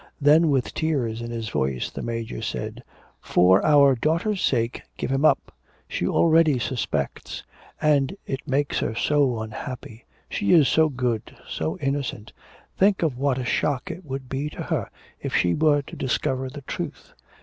Then with tears in his voice, the Major said, 'For our daughter's sake give him up. She already suspects, and it makes her so unhappy. She is so good, so innocent. Think of what a shock it would be to her if she were to discover the truth.